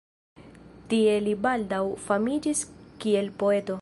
Tie li baldaŭ famiĝis kiel poeto.